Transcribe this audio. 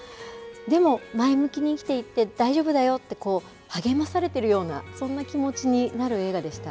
でも前向きに生きていて大丈夫だよと励まされているようなそんな気持ちになる映画でした。